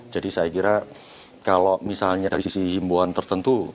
jadi saya kira kalau misalnya dari sisi himboan tertentu